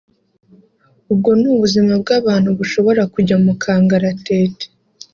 ubwo ni ubuzima bw’abantu bushobora kujya mu kangaratete